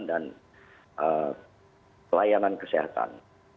dan pelayanan kesehatan